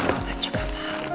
coklat juga pak